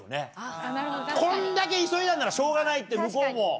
こんだけ急いだんならしょうがないって向こうも。